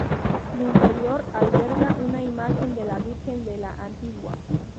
Su interior alberga una imagen de la Virgen de la Antigua.